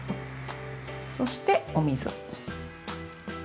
そしてお水。